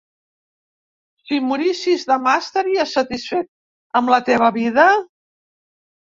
Si morissis demà estaries satisfet amb la teva vida?